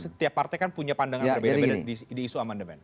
setiap partai kan punya pandangan berbeda beda di isu amandemen